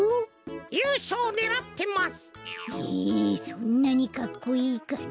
そんなにかっこいいかな？